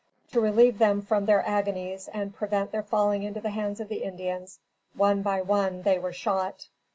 To relieve them from their agonies and prevent their falling into the hands of the Indians, one by one, they were shot.